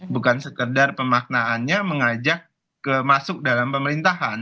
bukan sekedar pemaknaannya mengajak masuk dalam pemerintahan